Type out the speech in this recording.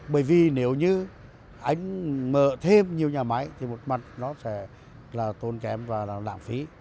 bởi vì nếu như anh mở thêm nhiều nhà máy thì một mặt nó sẽ là tốn kém và là lãng phí